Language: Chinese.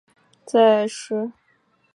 在十三岁时